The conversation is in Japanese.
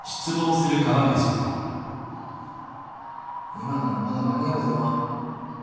今ならまだ間に合うぞ。